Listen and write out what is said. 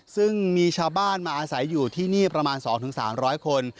ซึ่งมีชาวบ้านมาอาศัยอยู่ที่นี่ประมาณ๒๓๐๐คน